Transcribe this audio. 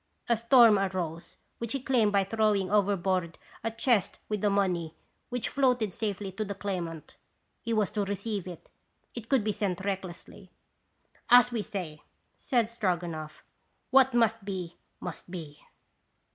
A storm arose, which he calmed by throwing overboard a chest with the money, which floated safely to the claimant. He was to receive it; it could be sent recklessly." "As we say," said Stroganoff, "what must be, must be."